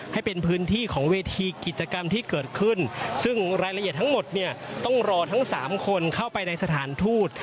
ให้เป็นพื้นที่ของเวทีกิจกรรมที่เกิดขึ้นซึ่งรายละเอียดทั้งหมดเนี่ยต้องรอทั้งสามคนเข้าไปในสถานทูต